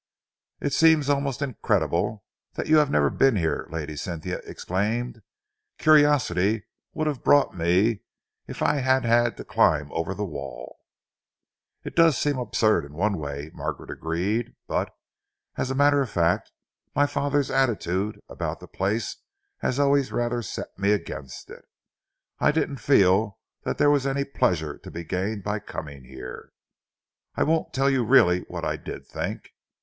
"It seems almost incredible that you have never been here!" Lady Cynthia exclaimed. "Curiosity would have brought me if I had had to climb over the wall!" "It does seem absurd in one way," Margaret agreed, "but, as a matter of fact, my father's attitude about the place has always rather set me against it. I didn't feel that there was any pleasure to be gained by coming here. I won't tell you really what I did think.